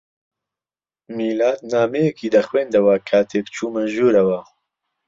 میلاد نامەیەکی دەخوێندەوە کاتێک چوومە ژوورەوە.